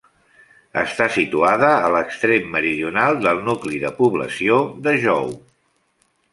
Està situada a l'extrem meridional del nucli de població de Jou.